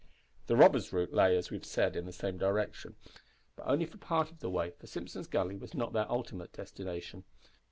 The robbers' route lay, as we have said, in the same direction, but only for part of the way, for Simpson's Gully was not their ultimate destination.